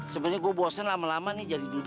sebenernya gue bosen lama lama nih jadi duda